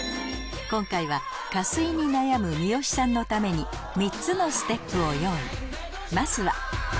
今回は下垂に悩む三吉さんのために３つのステップを用意